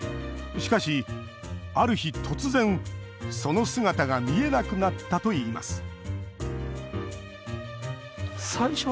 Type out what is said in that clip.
しかし、ある日、突然その姿が見えなくなったといいます